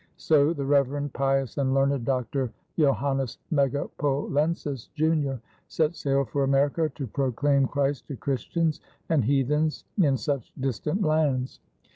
So the "Reverend, Pious, and learned Dr. Johannes Megapolensis, junior," set sail for America "to proclaim Christ to Christians and heathens in such distant lands."